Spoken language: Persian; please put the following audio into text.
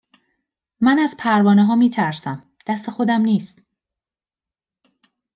من از پروانهها میترسم دست خودم نیست